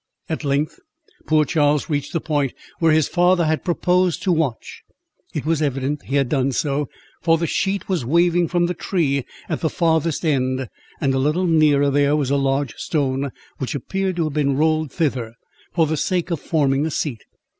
At length poor Charles reached the point where his father had proposed to watch. It was evident he had done so, for the sheet was waving from the tree at the farthest end, and a little nearer there was a large stone, which appeared to have been rolled thither, for the sake of forming a seat.